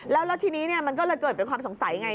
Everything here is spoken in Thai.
แล้วทีนี้มันก็เลยเกิดเป็นความสงสัยไง